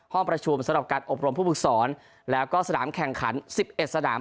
ประชุมสำหรับการอบรมผู้ฝึกสอนแล้วก็สนามแข่งขัน๑๑สนาม